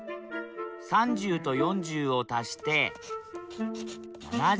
３０と４０を足して７０。